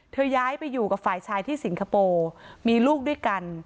ย้ายไปอยู่กับฝ่ายชายที่สิงคโปร์มีลูกด้วยกัน